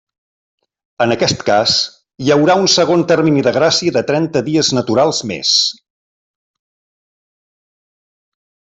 En aquest cas, hi haurà un segon termini de gràcia de trenta dies naturals més.